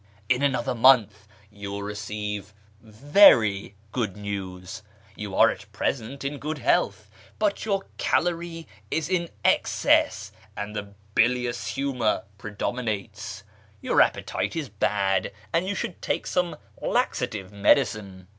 .. In another month you will receive very good news. .. You are at present in good health, but your caloric is in excess and the bilious humour predominates. .. Your appetite is bad, and you should take some laxative medicine."